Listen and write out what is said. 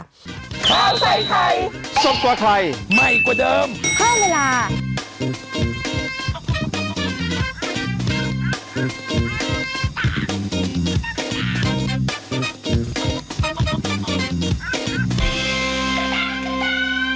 ข้าวใส่ไทยสดกว่าไทยใหม่กว่าเดิมเพิ่มเวลา